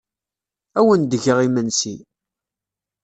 Ad awen-d-geɣ imensi.